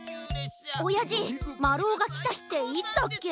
おやじまるおがきたひっていつだっけ？